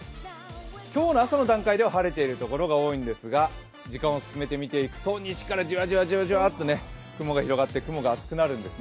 今日の朝の段階では晴れているところが多いんですが時間を進めてみていくと西からじわじわと雲が広がって、雲が厚くなるんですね。